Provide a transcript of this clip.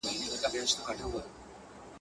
د سرو منګولو له سینګار سره مي نه لګیږي.